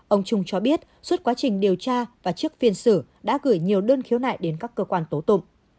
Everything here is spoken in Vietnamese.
ông trung cho biết suốt quá trình điều tra và trước phiên xử đã gửi nhiều đơn khiếu nại đến các cơ quan tố tụng